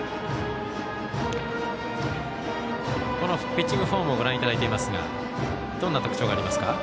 ピッチングフォームをご覧いただいていますがどんな特徴がありますか？